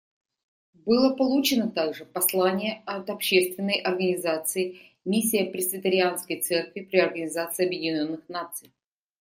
Было получено также послание от общественной организации Миссия Пресвитерианской церкви при Организации Объединенных Наций.